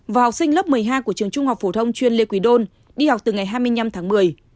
và học sinh lớp một mươi hai của trường trung học phổ thông chuyên lê quỳ đôn đi học từ ngày hai mươi năm tháng một mươi